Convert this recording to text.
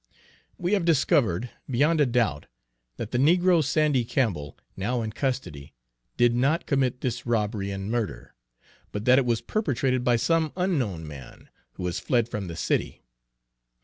"We have discovered, beyond a doubt, that the negro Sandy Campbell, now in custody, did not commit this robbery and murder, but that it was perpetrated by some unknown man, who has fled from the city.